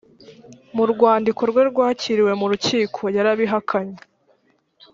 mu rwandiko rwe rwakiriwe mu rukiko yarabihakanye